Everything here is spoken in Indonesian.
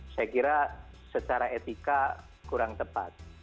saya kira secara etika kurang tepat